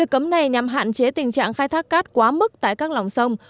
cấm này nhằm hạn chế tình trạng khai thác cát quá mức tại các lòng sông